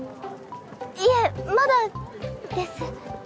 いえまだです。